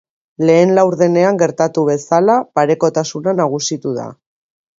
Lehen laurdenean gertatu bezala, parekotasuna nagusitu da.